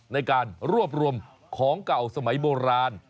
ในการรวบรวมของเก่าสมัยโบราณ